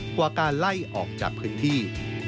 กว่าการไล่ออกจากพื้นที่